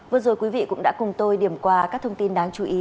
vừa rồi quý vị cũng đã cùng tôi điểm qua các thông tin đáng chú ý